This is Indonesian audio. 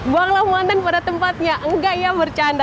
buanglah mantan pada tempatnya enggak ya bercanda